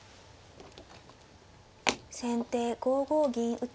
先手５五銀打。